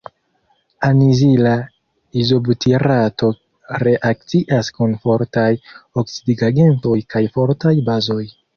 Anizila izobutirato reakcias kun fortaj oksidigagentoj kaj fortaj bazoj.